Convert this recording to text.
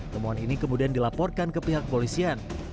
temuan ini kemudian dilaporkan ke pihak polisian